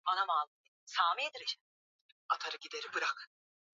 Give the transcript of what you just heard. asilinia kumi na tatu Burundi asilimia ishirini na tano Sudan Kusini